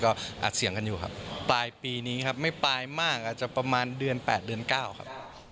ก็อัดเสี่ยงกันอยู่ครับปลายปีนี้ครับไม่ปลายมากอาจจะประมาณเดือน๘เดือน๙ครับ